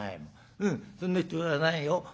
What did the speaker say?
うんそんな人じゃないよ。